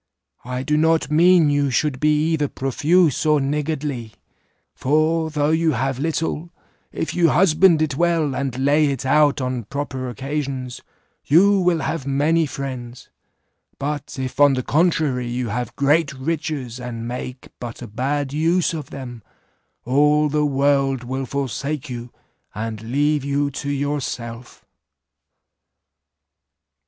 I do not mean you should be either profuse or niggardly; for though you have little, if you husband it well, and lay it out on proper occasions, you will have many friends; but if on the contrary you have great riches, and make but a bad use of them, all the world will forsake you, and leave you to yourself.